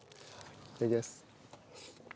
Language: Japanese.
いただきます。